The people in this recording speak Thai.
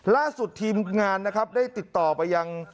ล่าสุดทีมงานนะครับได้ติดต่อไปยัง